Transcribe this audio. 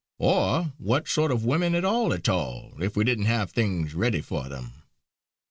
Or what sort of women at all at all, if we didn't have things ready for them!